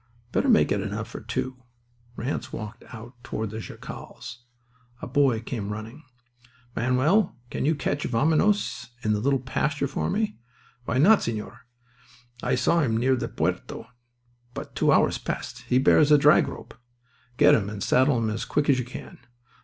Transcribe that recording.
Better make it enough for two." Ranse walked out toward the jacals. A boy came running. "Manuel, can you catch Vaminos, in the little pasture, for me?" "Why not, señor? I saw him near the puerta but two hours past. He bears a drag rope." "Get him and saddle him as quick as you can."